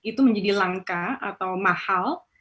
itu menjadi langka atau mahal